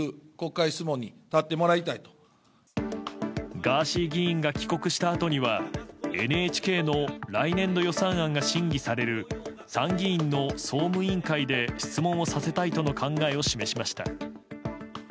ガーシー議員が帰国したあとにはＮＨＫの来年度予算案が審議される参議院の総務委員会で質問をさせたいとの考えを示しました。